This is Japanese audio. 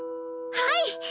はい！